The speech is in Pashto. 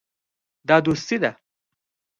دا دوستي ده.